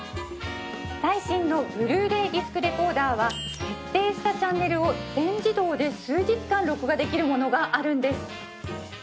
最新のブルーレイディスクレコーダーは設定したチャンネルを全自動で数日間録画できるものがあるんです